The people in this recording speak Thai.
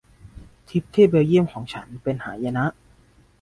ทริปที่เบลเยี่ยมของฉันเป็นหายนะ